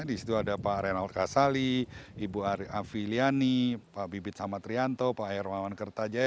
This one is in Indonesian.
di situ ada pak reynold kasali ibu afi liani pak bibit samatrianto pak ayer mawan kertajaya